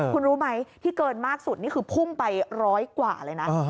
คุณรู้ไหมที่เกินมากสุดนี่คือพุ่งไปร้อยกว่าเลยนะ